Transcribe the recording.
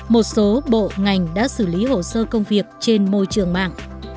một số bộ ngành đã xử lý hồ sơ công việc trên môi trường mạng